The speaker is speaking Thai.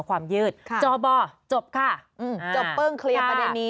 ความยืดจอบบ่อจบค่ะอืมค่ะจบเพิ่งเคลียร์ประเด็นนี้